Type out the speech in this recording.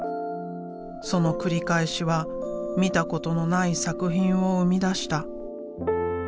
その繰り返しは見たことのない作品を生み出した。